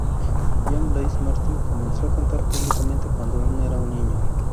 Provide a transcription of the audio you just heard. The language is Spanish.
Jean-Blaise Martin comenzó a cantar públicamente cuando aún era un niño.